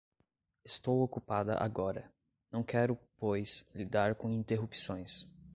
Estou ocupada agora. Não quero, pois, lidar com interrupções.